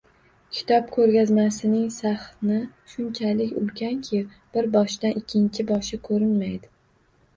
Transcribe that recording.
Kitob koʻrgazmasining sahni shunchalik ulkanki, bir boshidan ikkinchi boshi koʻrinmaydi